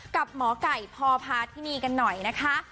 กับหมอกัยพพที่นี่กันหน่อยนะคะ